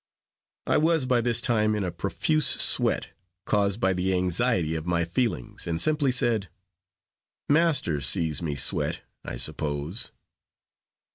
I was by this time in a profuse sweat, caused by the anxiety of my feelings, and simply said, "Master sees me sweat, I suppose."